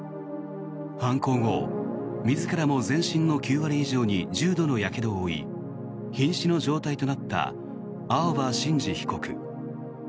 犯行後、自らも全身の９割以上に重度のやけどを負いひん死の状態となった青葉真司被告。